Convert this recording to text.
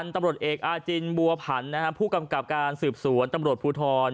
ตำรวจเอกอาจินบัวผันผู้กำกับการสืบสวนตำรวจภูทร